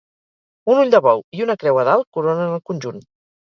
Un ull de bou i una creu a dalt coronen el conjunt.